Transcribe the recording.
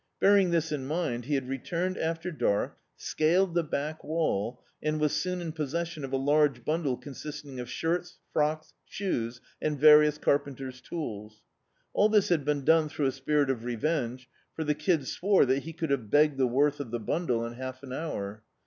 Bearing this in mind he had returned after dark, scaled the back wall, and was soon in possession of a large bundle consisting of shirts, frocks, shoes and various caTpeater*s tools. All this had been done through a spirit of revenge, for the Kid swore that he could have begged the worth of the bundle in half an hour.